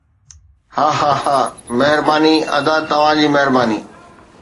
هاهاها مهرباني ادا توهان جي مهرباني